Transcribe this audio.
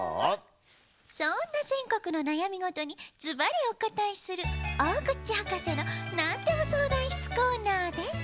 そんなぜんこくのなやみごとにズバリおこたえする「大口博士のなんでも相談室」コーナーです。